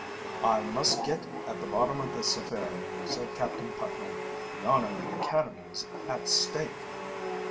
"I must get at the bottom of this affair," said Captain Putnam. "The honor of the academy is at stake."